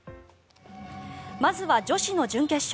まずは女子の準決勝。